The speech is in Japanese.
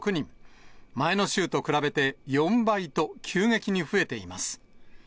前の週と比べて４倍と、急激に増えています。